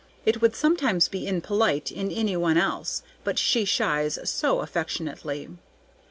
It would sometimes be impolite in any one else, but she shies so affectionately.